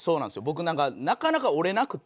僕なんかなかなか折れなくて。